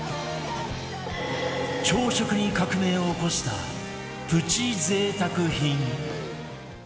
朝食に革命を起こしたプチ贅沢品